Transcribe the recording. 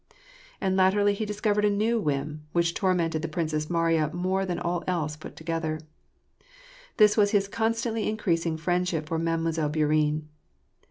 And latterly he had discovered a new whim, which tormented the Princess Mariya more than all else put together. This was his constantly increasing friendship for Mademoiselle Bourienne.